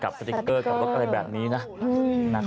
กับสติเกอร์อะไรแบบนี้นะ